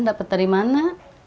dapat dari mana